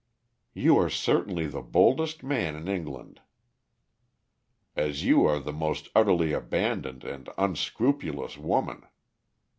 "You are certainly the boldest man in England." "As you are the most utterly abandoned and unscrupulous woman.